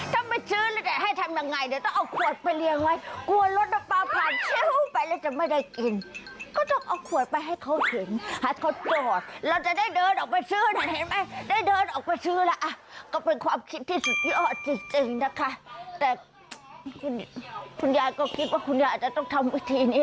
ถ้าไม่ซื้อแล้วแต่ให้ทำยังไงต้องเอาขวดไปเลี่ยงไว้กลัวรถน้ำปลาผ่านเชี่ยวไปแล้วจะไม่ได้กิน